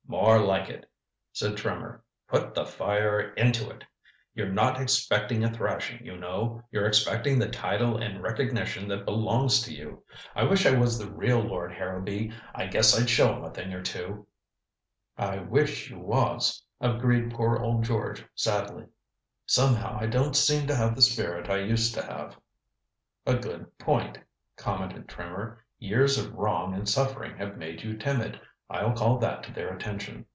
"More like it," said Trimmer. "Put the fire into it. You're not expecting a thrashing, you know. You're expecting the title and recognition that belongs to you. I wish I was the real Lord Harrowby. I guess I'd show 'em a thing or two." "I wish you was," agreed poor old George sadly. "Somehow, I don't seem to have the spirit I used to have." "A good point," commented Trimmer. "Years of wrong and suffering have made you timid. I'll call that to their attention.